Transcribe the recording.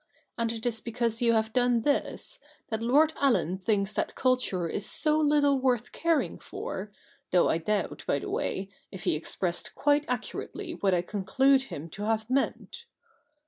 And it is because you have done this, that Lord Allen thinks that culture is so little worth caring for, though I doubt, by the way, if he expressed quite accurately what I conclude him to have meant.